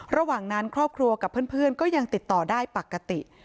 ระหว่างนั้นครอบครัวกับเพื่อนก็ยังติดต่อได้ปกติ